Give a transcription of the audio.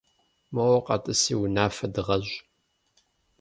Моуэ къэтӏыси унафэ дыгъэщӏ.